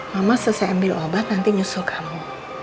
mama selesai ambil obat nanti nyusul kamu